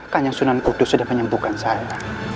kan yang sunan kudus sudah menyembuhkan saya